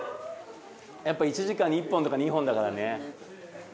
やっぱ１時間に１本とか２本だからね。